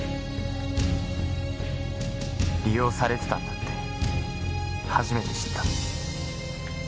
利用されてたんだって初めて知った。